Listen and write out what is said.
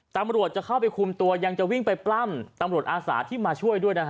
ตำรวจจะเข้าไปคุมตัวยังจะวิ่งไปปล้ำตำรวจอาสาที่มาช่วยด้วยนะฮะ